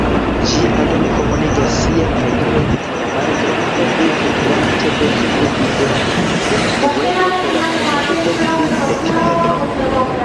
Ĝi aldone komunigas siajn laterojn kun la malgranda du-tritranĉa dekdu-dudek-dekduedro kaj la malgranda dekdu-dudekedro.